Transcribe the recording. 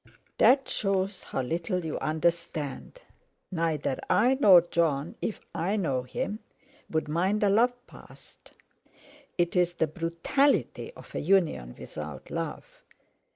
"That shows how little you understand. Neither I nor Jon, if I know him, would mind a love past. It's the brutality of a union without love.